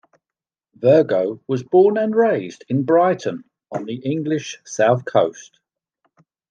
Virgo was born and raised in Brighton, on the English South Coast.